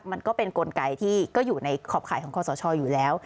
มันก็เป็นกลไกที่ก็อยู่ในขอบขายของคอสชอยู่แล้ว